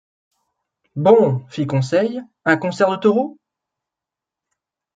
Bon, fit Conseil, un concert de taureaux ?